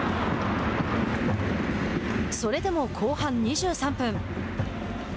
それでも後半２３分。